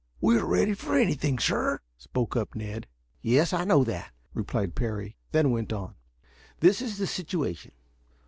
"We are ready for anything, sir," spoke up Ned. "Yes, I know that," replied Parry; then went on: "This is the situation.